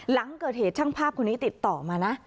หลังเกิดเหตุช่างภาพคนนี้ติดต่อมานะ